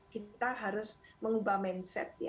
kita harus mengubah mindset